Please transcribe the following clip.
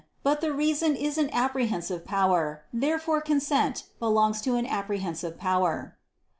But the reason is an apprehensive power. Therefore consent belongs to an apprehensive power.